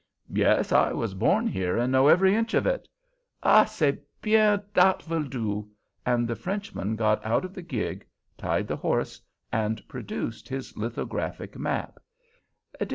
"Yes, I was born here, and know every inch of it." "Ah, c'est bien, dat vill do," and the Frenchman got out of the gig, tied the horse, and produced his lithographic map.